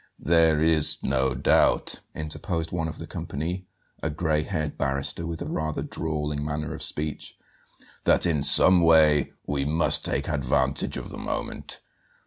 "There is no doubt," interposed one of the company, a gray haired barrister with a rather drawling manner of speech, "that in some way we must take advantage of the moment.